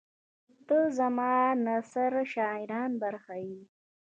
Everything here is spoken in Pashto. • ته زما د نثر شاعرانه برخه یې.